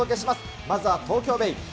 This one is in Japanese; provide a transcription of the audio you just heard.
まずは東京ベイ。